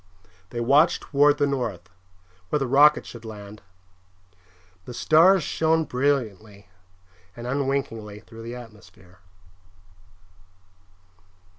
They watched toward the north, where the rocket should land. The stars shone brilliantly and unwinkingly through the atmosphere.